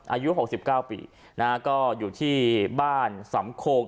อายุหกสิบเก้าปีนะฮะก็อยู่ที่บ้านสำโคง